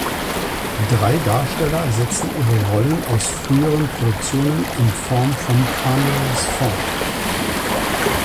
Drei Darsteller setzen ihre Rollen aus früheren Produktionen in Form von Cameos fort.